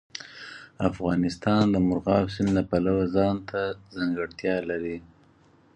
افغانستان د مورغاب سیند له پلوه ځانته ځانګړتیا لري.